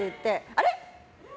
あれ？